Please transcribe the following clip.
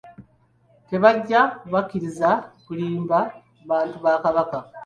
Tebajja kubakkiriza kulimba bantu ba Kabaka